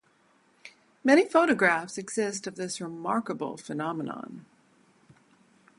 Many photographs exist of this remarkable phenomenon.